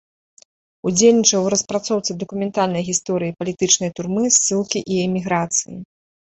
Удзельнічаў у распрацоўцы дакументальнай гісторыі палітычнай турмы, ссылкі і эміграцыі.